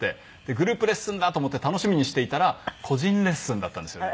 グループレッスンだと思って楽しみにしていたら個人レッスンだったんですよね。